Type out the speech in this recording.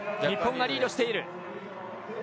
日本がリードしている。